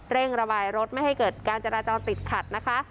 ระบายรถไม่ให้เกิดการจราจรติดขัดนะคะ